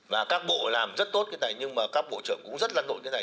và các bộ làm rất tốt cái này nhưng mà các bộ trưởng cũng rất là nộn cái này